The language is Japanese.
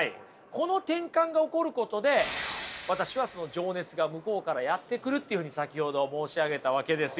この転換が起こることで私はその情熱が向こうからやってくるっていうふうに先ほど申し上げたわけですよ。